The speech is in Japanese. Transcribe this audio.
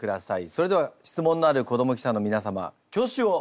それでは質問のある子ども記者の皆様挙手をお願いします。